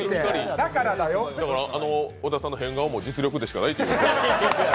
だから、小田さんの変顔も実力でしかないという。